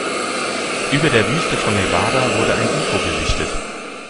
Über der Wüste von Nevada wurde ein Ufo gesichtet.